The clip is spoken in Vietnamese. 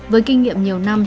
với kinh nghiệm nhiều năm